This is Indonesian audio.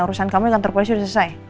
urusan kamu di kantor polisi udah selesai